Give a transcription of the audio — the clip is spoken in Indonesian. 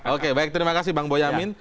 oke baik terima kasih bang boyamin